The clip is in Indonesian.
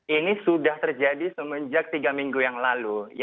ini sudah terjadi semenjak tiga minggu yang lalu